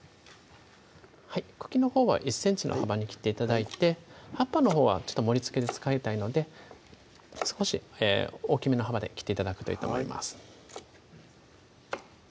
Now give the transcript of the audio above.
茎のほうは１ｃｍの幅に切って頂いて葉っぱのほうは盛りつけで使いたいので少し大きめの幅で切って頂くといいと思います